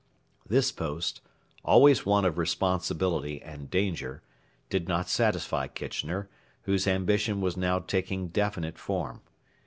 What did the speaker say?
This post, always one of responsibility and danger, did not satisfy Kitchener, whose ambition was now taking definite form.